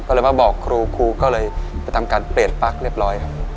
ก็เลยมาบอกครูครูก็เลยไปทำการเปลี่ยนปลั๊กเรียบร้อยครับ